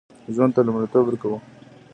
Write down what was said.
ژوند ته لومړیتوب ورکړو